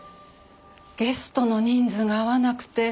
ゲストの人数が合わなくて。